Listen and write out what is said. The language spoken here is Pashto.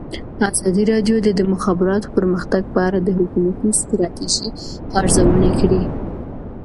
ازادي راډیو د د مخابراتو پرمختګ په اړه د حکومتي ستراتیژۍ ارزونه کړې.